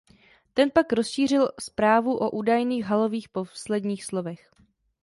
Ten pak rozšířil zprávu o údajných Halových posledních slovech.